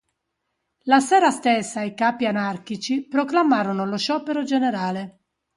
La sera stessa i capi anarchici proclamarono lo sciopero generale.